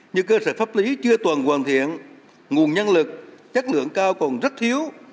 như cơ sở pháp lý chưa toàn hoàn thiện nguồn nhân lực chất lượng cao còn rất thiếu